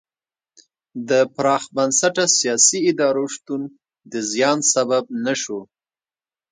د پراخ بنسټه سیاسي ادارو شتون د زیان سبب نه شو.